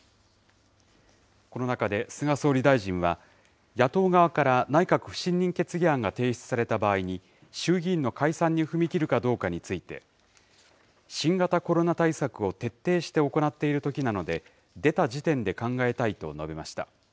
この中で菅総理大臣は、野党側から内閣不信任決議案が提出された場合に、衆議院の解散に踏み切るかどうかについて、新型コロナ対策を徹底して行っているときなので、出た時点で考えたいと述べました。